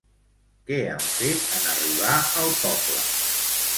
Què han fet en arribar al poble?